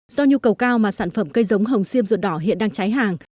do nhu cầu cao mà sản phẩm cây giống hồng xiêm ruột đỏ hiện đang cháy hàng